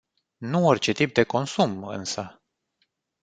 Nu orice tip de consum, însă.